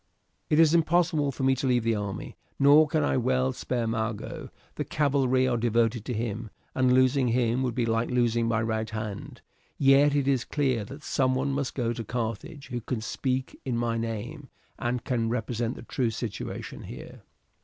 It is impossible for me to leave the army, nor can I well spare Mago. The cavalry are devoted to him, and losing him would be like losing my right hand; yet it is clear that someone must go to Carthage who can speak in my name, and can represent the true situation here.